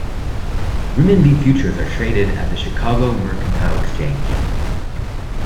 Renminbi futures are traded at the Chicago Mercantile Exchange.